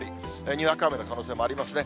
にわか雨の可能性もありますね。